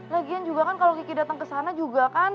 lagian juga kan kalo kiki datang kesana juga kan